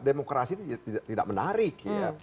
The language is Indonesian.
demokrasi tidak menarik